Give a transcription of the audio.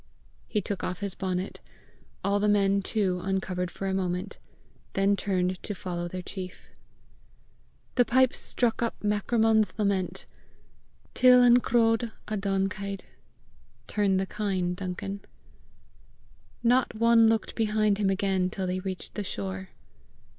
He took off his bonnet. All the men too uncovered for a moment, then turned to follow their chief. The pipes struck up Macrimmon's lament, Till an crodh a Dhonnachaidh (TURN THE KINE, DUNCAN). Not one looked behind him again till they reached the shore.